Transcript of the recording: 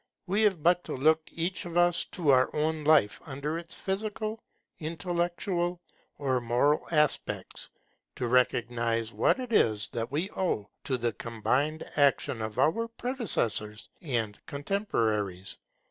We have but to look each of us at our own life under its physical, intellectual, or moral aspects, to recognize what it is that we owe to the combined action of our predecessors and contemporaries.